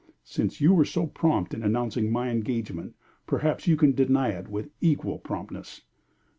"Since you were so prompt in announcing my engagement, perhaps you can deny it with equal promptness."